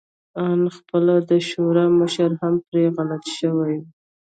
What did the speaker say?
آن خپله د شوروي مشران هم پرې غلط شوي وو